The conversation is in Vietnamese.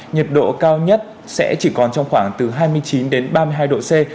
nhiệt độ cao nhất sẽ chỉ còn trong khoảng từ hai mươi chín đến ba mươi hai độ c